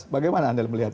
bagaimana anda melihat